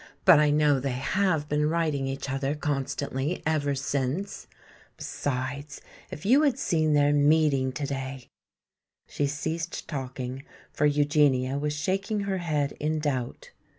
But I know they have been writing each other constantly ever since. Besides, if you had seen their meeting today!" She ceased talking, for Eugenia was shaking her head in doubt.